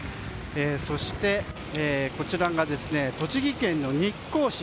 そして、こちらが栃木県日光市。